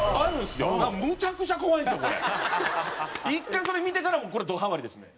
１回それ見てからこれどハマりですね。